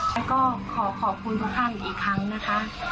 แล้วก็ขอขอบคุณทุกท่านอีกครั้งนะคะ